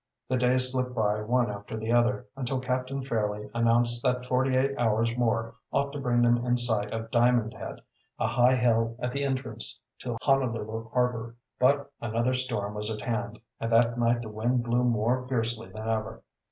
The days slipped by one after the other, until Captain Fairleigh announced that forty eight hours more ought to bring them in sight of Diamond Head, a high hill at the entrance to Honolulu harbor. But another storm was at hand, and that night the wind blew more fiercely than ever.